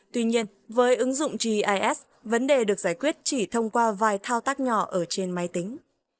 tuy nhiên với ứng dụng gis vấn đề được giải quyết chỉ thông qua vài thao tác nhỏ ở trên máy tính